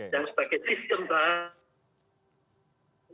dan sebagai sistem bahasa